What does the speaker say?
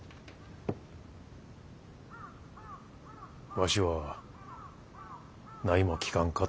わしは何も聞かんかった。